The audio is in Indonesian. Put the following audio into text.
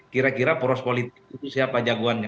kira kira poros politik itu siapa jagoannya